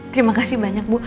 terima kasih banyak bu